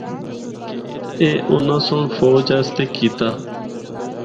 اے اُناں سنڑ فوج اسطے کیتا۔